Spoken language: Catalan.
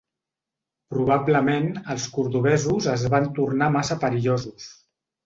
Probablement els cordovesos es van tornar massa perillosos.